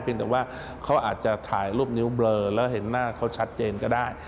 เป็นแต่ว่าเขาอาจจะถ่ายรูปนิ้วเบลอแล้วเห็นหน้าเขาชัดเจนก็ได้